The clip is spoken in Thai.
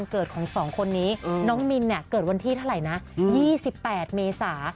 เกิดของ๒คนนี้น้องมินเนี่ยเกิดวันที่เท่าไหร่นะ๒๘เมษา